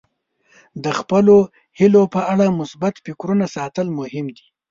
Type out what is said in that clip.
د خپلو هیلو په اړه مثبت فکرونه ساتل مهم دي.